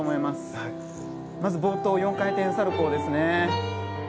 まず冒頭、４回転サルコウ。